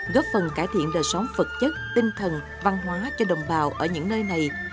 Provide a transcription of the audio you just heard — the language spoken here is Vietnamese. góp phần cải thiện đời sống vật chất tinh thần văn hóa cho đồng bào ở những nơi này